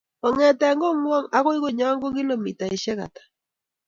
Kong'te kong'wong' akoi konyon ko kilomitaisyek ata?